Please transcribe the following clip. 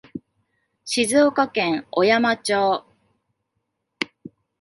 静岡県小山町